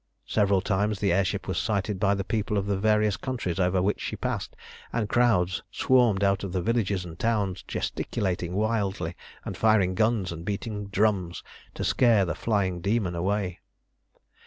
Several times the air ship was sighted by the people of the various countries over which she passed, and crowds swarmed out of the villages and towns, gesticulating wildly, and firing guns and beating drums to scare the flying demon away.